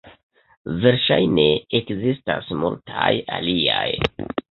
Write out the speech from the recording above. Verŝajne ekzistas multaj aliaj.